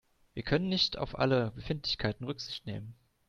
Wir können nicht auf alle Befindlichkeiten Rücksicht nehmen.